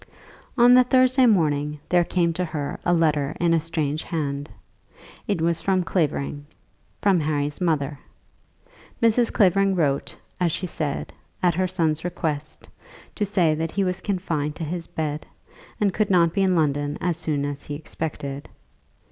On the Thursday morning there came to her a letter in a strange hand. It was from Clavering, from Harry's mother. Mrs. Clavering wrote, as she said, at her son's request, to say that he was confined to his bed, and could not be in London as soon as he expected.